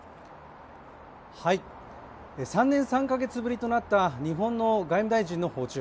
３年３か月ぶりとなった日本の外務大臣の訪中。